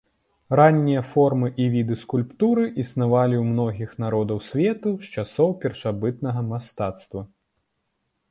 Раннія формы і віды скульптуры існавалі ў многіх народаў свету з часоў першабытнага мастацтва.